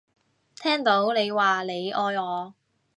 聽到你話你愛我